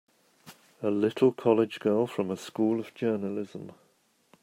A little college girl from a School of Journalism!